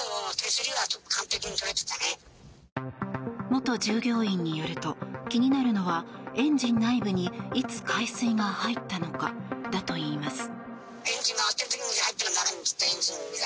元従業員によると気になるのはエンジン内部に、いつ海水が入ったのかだといいます。